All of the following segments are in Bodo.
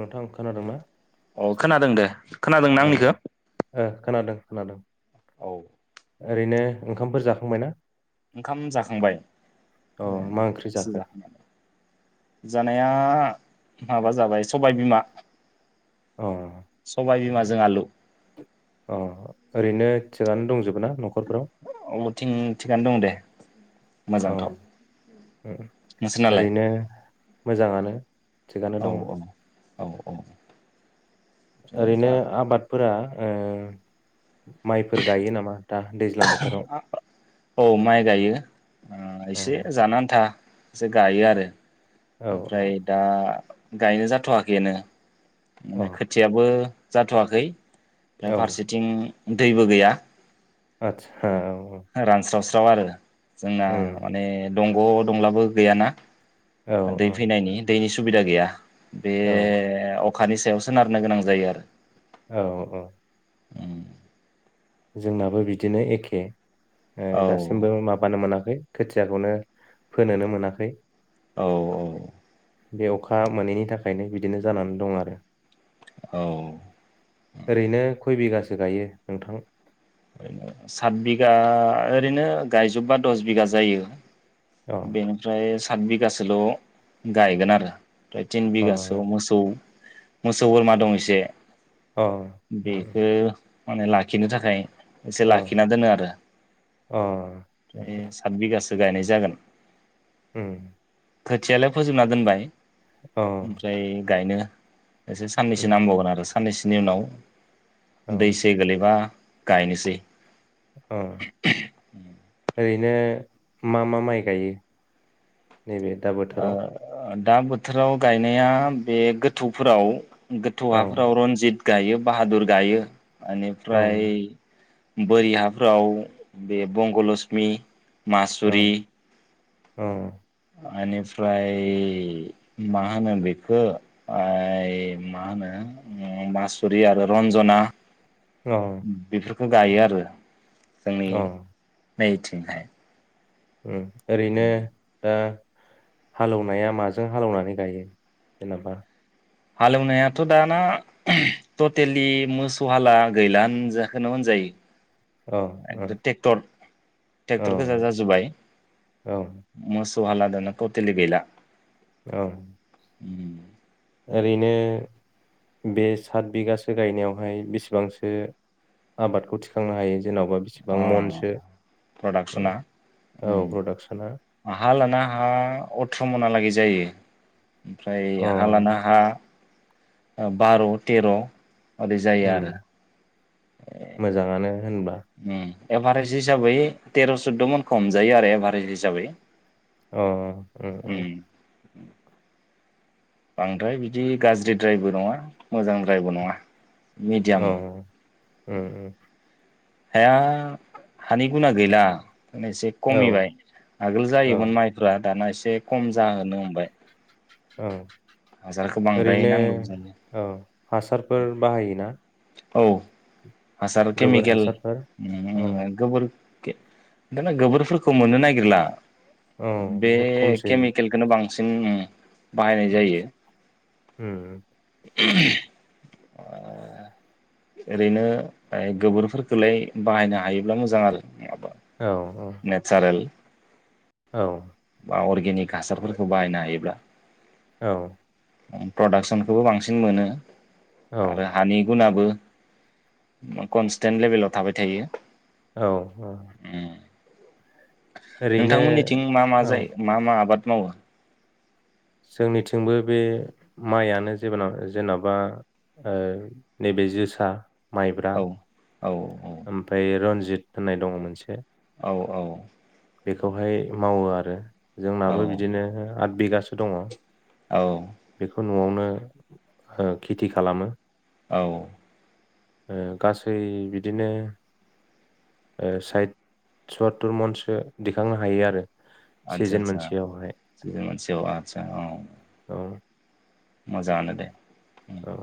नोंथां खोनादोंना? अ खोनादों दे खोनादों ना औ आंनिखो? ओ खोनादों खोनादों। औ। ओरैनो ओंखामफोर जाखांबाय ना? ओंखाम जाखांबाय अ मा ओंख्रि जाखो [unintelligible] जानाया माबा जाबाय सबाय बिमा। अ सबायबिमाजों आलु। अ ओरैनो थिगानो दंजो बो ना? न'खरफ्राव अमुथिं थिगानो दं दे। अ मोजांथ' नोंसोरनालाय? मोजांङानो। थिगानो औ दङ। औ औ औ। ओमफ्राय ओरैनो दा आबाद फोरा ओ माइफोर गायो नामा दा दैज्लां बोथोराव औ माइ गायो अ एसे ओ जानो आन्था। एसे गायो आरो। औ ओमफ्राय दा गायनो जाथ'वाखैनो औ माने खोथियाबो जाथ'वाखै ओमफ्राय औ फारसेथिं दैबो गैया। आतसा। रानस्राव स [unintelligible] जोंना उम माने दंग' दंब्लाबो गैयाना। औ दै औ फैनायनि दैनि सुबुबिदा गैया। बे औ अखानि सायावसो नारनो गोनां जायो आरो औ औ उम जोंनाबो बिदिनो एखे। औ दासिमबो माबानो मोना। खोथियाखौनो फोनोनो मोनाखै। औ औ बे अखा मोनैनि थाखायनो बिदिनो जानानै दं आरो। औ ओरैनो खय बिगासो सो गायो नोंथां? ओै सात बिगा ओरैनो गायजोबबा दस बिगा जायो। अ बेनिफ्राय सात बिगासोल' गायगोन आरो। फ्राय तिन अ बिगासो आव मोसौ मोसौ बोरमा दं एसे अ उम बेखौ माने लाखिनो थाखाय एसे अ लाखिना दोनो आरो अ उम ओमफ्राय सात बिगासो। स गायनाय जागोन। ओम। खोथियालाय फोजोबना दोनबाय अ ओमफ्राय गायनो एसे साननैसो उम नांबावगोन आरो। साननैसोनि उनाव अ दैसे गोलैबा गायनोसै ओम ओरैनो मा मा माइ गायो नैबे दा बोथोराव ओ दा बोथोराव गायनाया बे गोथौफोराव गोथौ औ हाफोराव रनजित गायो बाहादुर गायो अ ओनिफ्राय बोरि हाफ्राव बे बंग'लक्षमि मासुरि औ ओनिफ्राय मा होनो बेखौ इ मा होनो मासुरि आरो रन्जना बेफोर खौ गायो आरो जोंनि अ नै थिं हाय उम ओरैनो ओ हालौनाया माजों हालौनानै गायो जेनेबा हालेवनायाथ दाना टटेलि मोसौ हाला गैला होनजा खोनो औ होनजायो ट्रेक्टर ट्रेक्टर औ गोजा जाजोबबाय औ मोस सौ हाला दाना ततेलि गैला औ उम ओरैनो बे सात बिगासो गायनायावहाय बेसेबांसो आबादखौ थिखांनो हायो जेन'बा बेसेबां अ मनसो प्रडाक्सना औ प्रडाक्सना उम हा लाना हा अथ्र मनाहालागै जायो ओमफ्राय अ हा लाना हा बार तेर ओरै जायो उम आरो मोजानङानो होनबा उम उम एभारेजस्ट हिसाबै तेर सुदद मनखौ हमजायो आरो एभारेेजट हिसाबै अ ओ ओ बांद्राय बिदि गाज्रिद्रायबो नङा मोजांद्रायबो नङा मिडियाम ओ उम उम हाया हानि गुना गैला माने एसे औ कमिबाय आगोल औ जायोमोन माइफ्रा दाना एसे कम जाहोनो हमबाय। औ हासारखौ बांद्राय ओरैनो नांगौ जायो औ हासार फोर बाहायोना औ हासार गोबोर केमिकेल हासारफोर औ गोबोर दाना गोबोरफोरखौ मोननो नागिरला औ बे बहुद खमसै केमिकेलखौनो बां बांसिन बाहायनाय जायो। हु अ ओरैनो गोबोरफोरखौलाय बाहायनो हायोब्ला मोजां आरो माबा औ नेथचारेल औ अरगेनिक हासारफोरखौ बाहायनो हायोब्ला औ प्रडाकसनखौबो बांसिन मोनो। औ आरो हानि गुनाबो कनस्टेन लेबेलाव थाबाय थायो। औ उम औ नोंथांमोननिथिं मा मा औ जायो मा मा आबाद मव जोंनिथिंबो बे माइयानो जेबनर जेन'बा ओ नैबे जोसा। माइब्रा औ औ ओमफाय रनजिद जिथ होननाय दङ मोनसे औ औ बेखौहाय मावो आरो। औ जोंनाबो बिदिनो आथ बिगासो दङ। औ बेखौ न'आवनो ओ खेथि खालामो। औ ओ गासै बिद बिदिनो ओ साइद सत्तुर मनसो दिखांनो हाय आरो। आनसा सिजेन सा मोनसेयावहाय मोनसेआव आनसा औ औ मजांआनो दे औ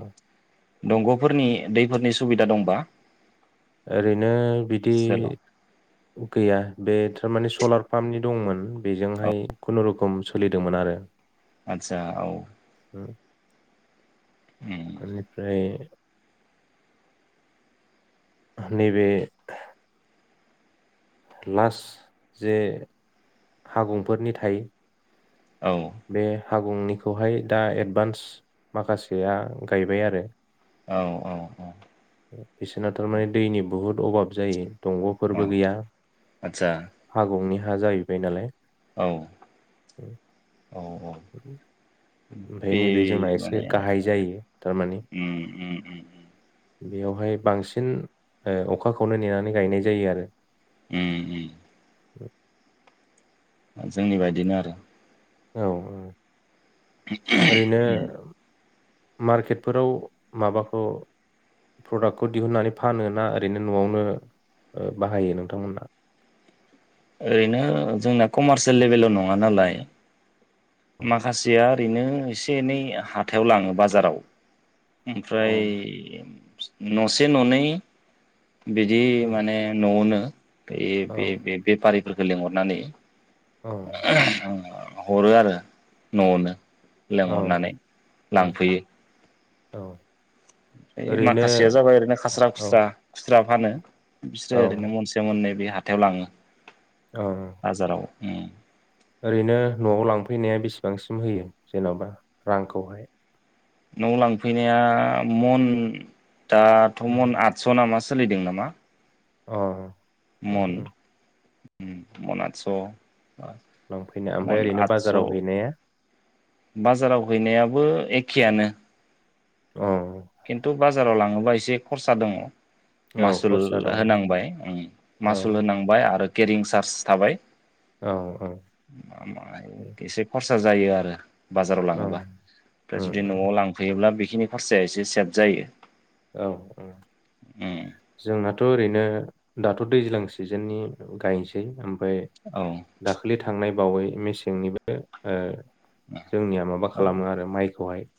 दंग'फोरनि दैफोरनि सुबिदा दंबा ओरैनो नो बिदि सेलाव गैया बे थारमाने सलार पामनि दंमोन औ बेजोंहाय खुनुरुखुम सोलिदोंमोन आरो। आथसा औ उम उम बेनिफ्राय नैबे लास जे हागंफोरनि थायो। औ बे फागुंनिखौहाय दा एडभान्स माखासेया गायबाय आरो औ औ औ बिसोना थारमाने दैनि बुहुद अभाब जायो औ दंगफोरबो गैया आदसा हागंनि हा जाहैबाय नालाय औ औ औ ओमफ्राय बे नैबे जोंना एसे माने गाहाय जायो थारमाने ओम ओम बेयावहाय बांसिन अखाखौनो नेनानै गायनाय जायो आरो उम उम [inaudible] जोंनि बायदिनो आरो औ औ ओरैनो [unintelligible] मार्केटफोराव माबाखौ प्रडाक्टखौ दिहुननानै फानो ना ओरैनो नआवनो बाहायो नोंथांमोनहा ओरैनो जोंना कमारसियेल लेभेलाव नङा नालाय औ माखासेया ओरैनो एसे एनै हाथायाव लाङो बाजाराव ओमफ्राय उम, नसे ननै बिदि औ माने नआवनो बे बे बेपारि फोरफोरखौ लिंहरनानै औ [unintelligible] हरो आरो ननो औ लेंहरनानै उम, लांफैयो। औ ओय ओरैनो माखासेया जाबाय ओरैनो खास्रा औ खुस्रा स्रा फानो। बिस्रो औ ओरैनो मनसे मननै बे हाथायाव लाङो। औ बाजाराव उम ओरैनो न'आव लांफैनाया बेसेबांसिम होयो जेनबा रांखौहाय? न'आव लांफैनाया मन दाथ' उम, मन आथस नामा स सोलिदों नामा? अ' उम, मन उम, उम मन आदस' आ लांफैनाया ओमफ्राय मन ओरैनो आदस' बाजाराव हैनाया बाजाराव हैैनायाबो एख खियानो औ खिन्थु बाज जाराव लाङोबा एसे खरसा दङ। औ मासुल खरसा दङ होनांबाय ओं औ मासुल होनांबाय आरो केरिं चार्ज थाबाय औ औ मा मा होयो एसे खरस सा जायो आरो। बाजाराव औ लाङोबा फ्राय उम, जुदि उम, न'आव लांफैयोब्ला बेख खिनि खारसाया एसे सो दाद जायो। औ ओं उम जोंनाथ' ओरैनो दाथ' दैज्लां सिजेननि औ गायसै ओम फाय औ दाखलि थांनाय बावै मेसेंनिबो ओ जोंनिया माबा औ खालामो आरो माइखौहाय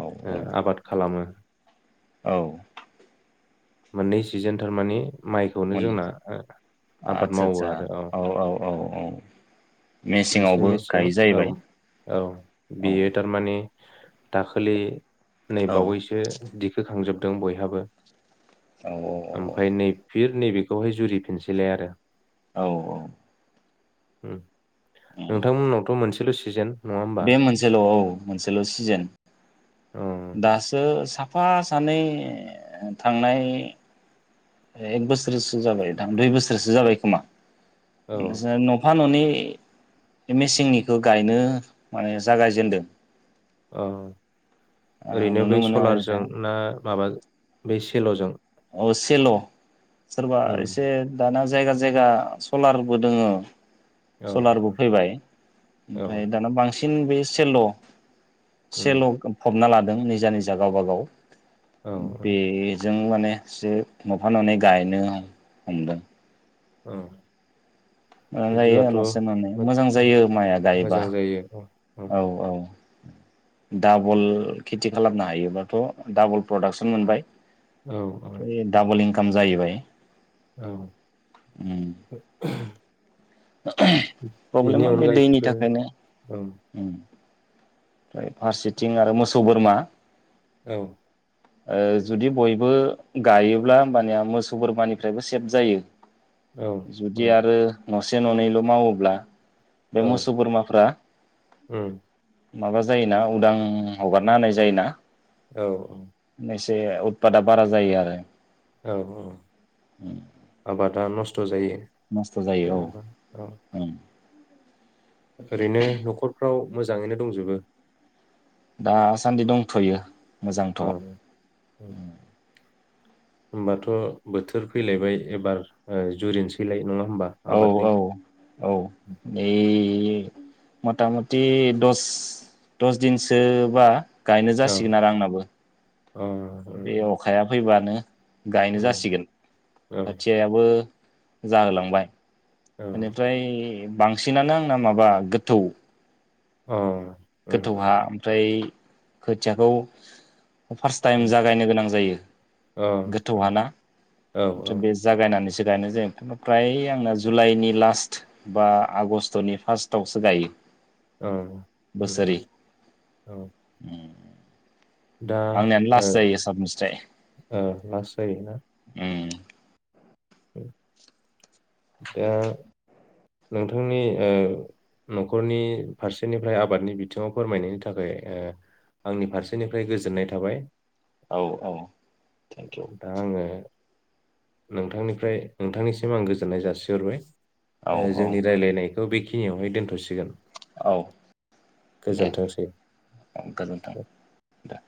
औ ओ आबाद खालामो। औ मोननै सिजोन थारमाने माइखौनो मोनो जोंना ओ आबाद आदसा मावो आदसा आरो औ औ औ मोनसे मेसेङावबो मेचें गायो औ जाहैबाय औ औ बेयो थारमाने दाखोलि नै औ बावैसो दिखो खांजोब दों बयहाबो औ ओमफ्राय नै फिर नैबेखौहाय जुरिफिनसैलाय आरो औ औ ओम उम नोंथांमोननावथ' मोनसेल' सिजेन नङा होमबा बे मोनसेल' औ मोनसेल' सिजोन औ दासो साफा सानै थांनाय एक बोसोरसो जाबाय दां दुइ बोसोरसो जाबाय खोमा औ [unintelligible] न'फा न'नै [unintelligible] मेसेंनिखौ गायनो माने जागायजेेनदों अ ओरैनो नुनो बै मोनो आरो दा सलारजों ना माबा बे सेल'जों औ सेल' सोरबा उम एसे दाना जायगा जायगा सलारबो दोङो औ सलारबो औ फैबाय औ ओमफ्राय दाना बांसिन थिन बे सेल' उम सेल' फबना ला दों निजा निजा गावबा गाव औ औ जों माने से न'फा न'नै गायनो हमदों। औ मोजां जायो बिदिब्लाथ' न'से न'नै मो मोजां औ जायो माइआ गायोबा मोजां जायो औ औ औ डाबल खेथि खालामनो हायोबाथ' डाबल प्रडाक्सन औ औ मोनबाय डाबल इं खाम जाहैबाय। औ उम [unintelligible] [unintelligible] बेनि प्रब्लेमा बे दैनि अनगायैबो थाखायनो औ ओम ओमफ्राय फारसेथिं आरो मोसौ बोरमा औ ओ जुदि बयबो गायोब्ला होमबानिया मोसौ बोरमानिफ्रायबो सेफ जायो। औ जुदि औ आरो न'से न'नैल' मावोब्ला बे औ मोसौ बोरमाफोरा उम माबा जायोना उदां हगारना होनाय जायोना? औ औ से उतपादा बारा जायो आरो। औ औ आबादा नस नस्थ' जायो औ औ उम। ओरैनो न'खरफ्राव मोजाङैनो दंजोबो दासान्दि दंथ'यो। मोजांथ'। औ औ होमबाथ' बोथोर फैलायबाय एबार ओ जुरिनोसैलाय नङा हो औ औ औ ए मथा मथि दस दस दिन सोबा गायनो औ जासिगोन आरो आंनाबो। अ बे अखाया फैबा नो गायनो उम जासिगोन औ खोथियायाबो जा होलांबाय। औ अ एनिफ्राय बांसिनानो आंना माबा गोथौ अ गोथौहा ओमफ्राय खोथयाखौ फार्स्ट टाइम उम जागायनो गोनां जायो अ गोथौ उम हाना औ फ्राय बे जागायनानै से गायनाय जायो ओमफ्राय आंना जुलाइनि लास्ट बा आगष्टनि फार्स्टआवसो गायो। औ उम बोसोरै उम औ। दा आंनियानो ओ लास्ट जायो ओ लास्ट जायोना? उम [inaudible] दा नोंथांनि ओ न'खरनि फारसेनिफ्राय आबादनि बिथिङाव फोरमायनायनि थाखाय ओ आंनि फारसेनिफ्राय गोजोननाय थाबाय। औ औ थेंक इउ दा आङो नोंथांनिफ्राय नोंथांनिसिम आं गोजोननाय औ जासिहरबाय औ जोंनि रायलायनायखौ बेखि खिनियावहाय दोनथ'सिगोन औ दे गोजोनथोंसै। औ गोजोन्थों दे